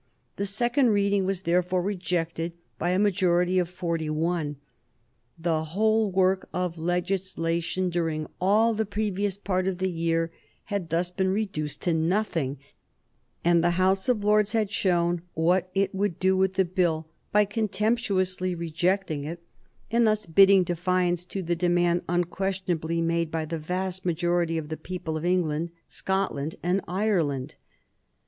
The second reading was therefore rejected by a majority of 41. The whole work of legislation during all the previous part of the year had thus been reduced to nothing, and the House of Lords had shown what it would do with the Bill by contemptuously rejecting it, and thus bidding defiance to the demand unquestionably made by the vast majority of the people of England, Scotland, and Ireland.